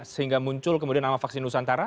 sehingga muncul kemudian nama vaksin nusantara